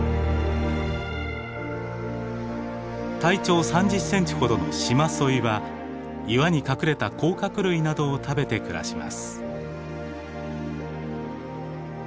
体長３０センチほどのシマソイは岩に隠れた甲殻類などを食べて暮らします。